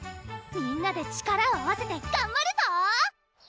みんなで力を合わせてがんばるぞ！